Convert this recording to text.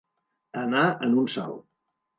Anar en un salt.